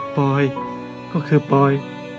ปอยก็คือปอย